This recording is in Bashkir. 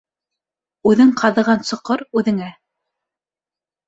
Үҙең ҡаҙыған соҡор үҙеңә.